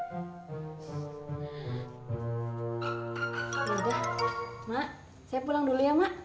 mak saya pulang dulu ya mak